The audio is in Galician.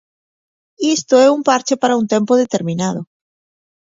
Isto é un parche para un tempo determinado.